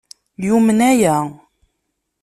Yumen aya.